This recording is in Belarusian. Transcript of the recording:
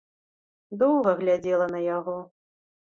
Доўга глядзела на яго.